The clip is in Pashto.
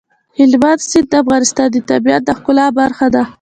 هلمند سیند د افغانستان د طبیعت د ښکلا برخه ده.